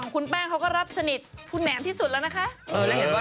คุณแป้งเขาก็รับสนิทคุณแหมที่สุดแล้วนะคะ